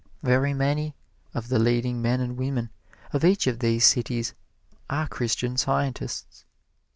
Very many of the leading men and women of each of these cities are Christian Scientists.